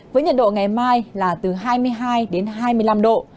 với nhiệt độ ngày mai là từ hai mươi hai đến hai mươi năm độ